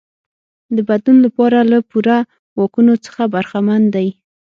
د بدلون لپاره له پوره واکونو څخه برخمن دی.